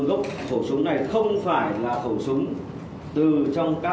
thì đối tượng này cũng phải nói là rất là thống thạo